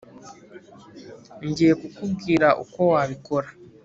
Ngiye kukubwira uko wabikora